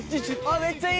めっちゃいい。